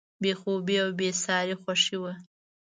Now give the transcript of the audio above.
بې خوبي او بېساري خوښي وه.